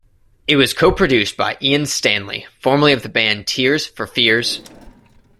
It was co-produced by Ian Stanley, formerly of the band Tears For Fears.